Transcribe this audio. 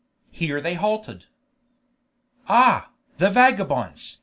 Here they halted. "Ah! the vagabonds!